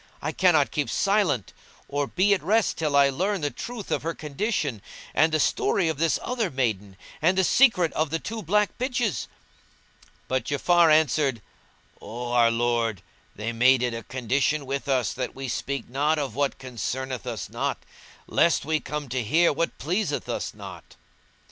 I cannot keep silence or be at rest till I learn the truth of her condition and the story of this other maiden and the secret of the two black bitches." But Ja'afar answered, "O our lord, they made it a condition with us that we speak not of what concerneth us not, lest we come to hear what pleaseth us not."